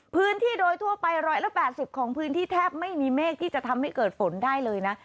พื้นที่โดยทั่วไป๑๘๐ของพื้นที่แทบไม่มีเมฆที่จะทำให้เกิดฝนได้เลยนะ